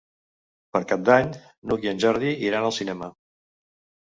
Per Cap d'Any n'Hug i en Jordi iran al cinema.